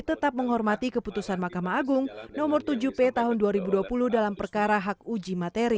tetap menghormati keputusan mahkamah agung nomor tujuh p tahun dua ribu dua puluh dalam perkara hak uji materi